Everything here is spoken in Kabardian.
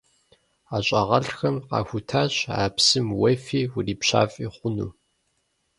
Ӏэщӏагъэлӏхэм къахутащ а псым уефи урипщафӏи хъуну.